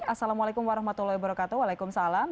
assalamualaikum warahmatullahi wabarakatuh waalaikumsalam